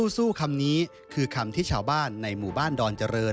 สู้คำนี้คือคำที่ชาวบ้านในหมู่บ้านดอนเจริญ